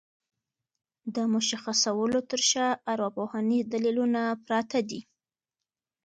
د مشخصولو تر شا ارواپوهنيز دليلونه پراته دي.